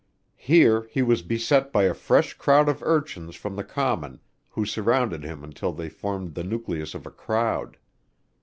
Here he was beset by a fresh crowd of urchins from the Common who surrounded him until they formed the nucleus of a crowd.